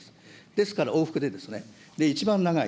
ですから、往復で一番長い。